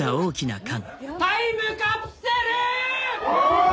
タイムカプセル！